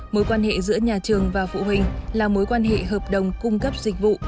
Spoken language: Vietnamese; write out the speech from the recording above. mối quan hệ giữa nhà trường và phụ huynh là mối quan hệ hợp đồng cung cấp dịch vụ